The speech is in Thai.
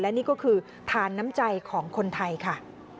นี่ก็คือทานน้ำใจของคนไทยค่ะ